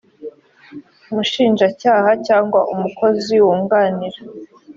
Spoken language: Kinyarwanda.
mushinjacyaha cyangwa umukozi wunganira